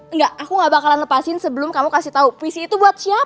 enggak aku gak bakalan lepasin sebelum kamu kasih tahu puisi itu buat siapa